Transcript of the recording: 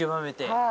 はい。